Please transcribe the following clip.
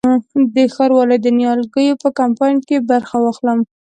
د ښاروالۍ د نیالګیو په کمپاین کې برخه واخلم؟